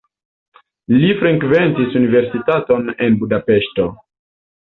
Li frekventis universitaton en Budapeŝto.